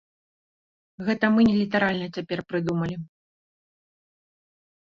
Гэта мы не літаральна цяпер прыдумалі.